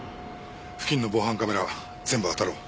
付近の防犯カメラ全部当たろう。